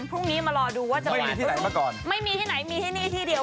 พรุ่งนี้มารอดูว่าจะประคุมไม่มีที่ไหนนี่ที่เดียว